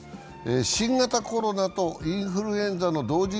新型コロナとインフルエンザの同時